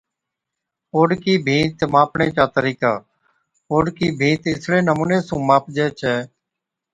اوڏڪِي ڀِيت ماپڻي چا طرِيقا، اوڏڪِي ڀِيت اِسڙي نمُوني سُون ماپجَي ڇَي